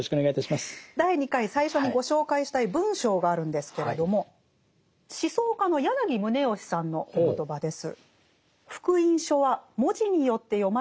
第２回最初にご紹介したい文章があるんですけれども思想家の柳宗悦さんのお言葉です。